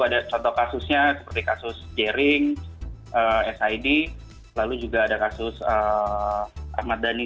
ada contoh kasusnya seperti kasus jering sid lalu juga ada kasus ahmad dhani